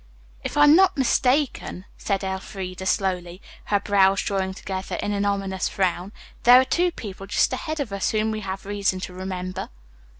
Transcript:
"If I'm not mistaken," said Elfreda slowly, her brows drawing together in an ominous frown, "there are two people just ahead of us whom we have reason to remember."